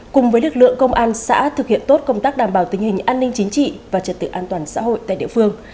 cùng với lực lượng công an xã thực hiện tốt công tác đảm bảo tình hình an ninh chính trị và trật tự an toàn xã hội tại địa phương